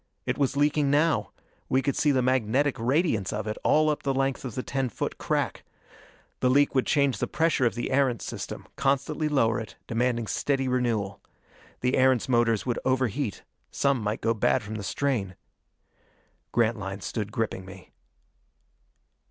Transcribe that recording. It was leaking now: we could see the magnetic radiance of it all up the length of the ten foot crack. The leak would change the pressure of the Erentz system, constantly lower it, demanding steady renewal. The Erentz motors would overheat; some might go bad from the strain. Grantline stood gripping me.